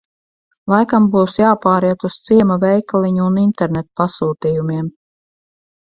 Laikam būs jāpāriet uz ciema veikaliņu un internetpasūtījumiem.